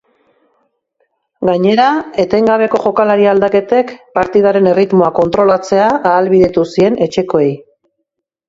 Gainera, etengabeko jokalari aldaketek partidaren erritmoa kontrolatzea ahalbidetu zien etxekoei.